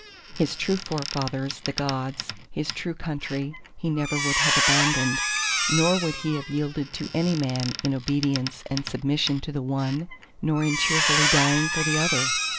His true forefathers, the Gods, his true Country, he never would have abandoned; nor would he have yielded to any man in obedience and submission to the one nor in cheerfully dying for the other.